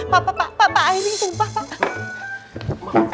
pak pak pak pak pak pak airing tunggu pak